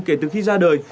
kể từ khi ra đời